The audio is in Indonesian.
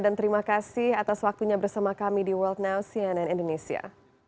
dan terima kasih atas waktunya bersama kami di world now cnn indonesia